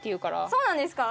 そうなんですか？